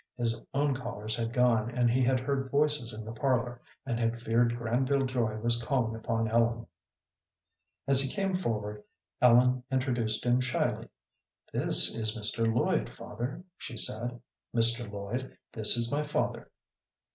His own callers had gone, and he had heard voices in the parlor, and had feared Granville Joy was calling upon Ellen. As he came forward, Ellen introduced him shyly. "This is Mr. Lloyd, father," she said. "Mr. Lloyd, this is my father."